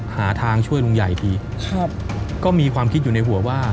หาทางช่วยลุงใหญ่ทีครับก็มีความคิดอยู่ในหัวว่า